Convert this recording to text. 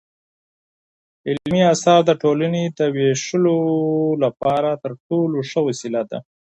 علمي اثار د ټولني د ويښولو لپاره تر ټولو ښه وسيله ده.